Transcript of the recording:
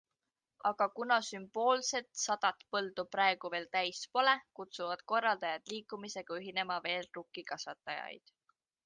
Aga kuna sümboolset sadat põldu praegu veel täis pole, kutsuvad korraldajad liikumisega ühinema veel rukkikasvatajaid.